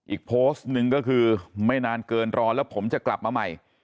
อีกโพสต์หนึ่งก็คือไม่นานเกินรอแล้วผมจะกลับมาใหม่